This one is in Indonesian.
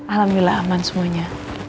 alhamdulillah aman semuanya